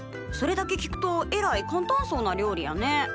それだけ聞くとえらい簡単そうな料理やね。